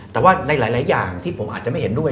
แต่ว่าในหลายอย่างที่ผมอาจจะไม่เห็นด้วย